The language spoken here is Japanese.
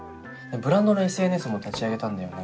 ブランドのＳＮＳも立ち上げたんだよね？